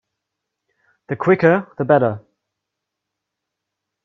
The quicker the better.